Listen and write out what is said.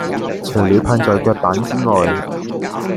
除了噴在腳板之外